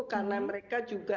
karena mereka juga